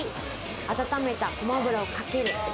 温めたごま油をかける。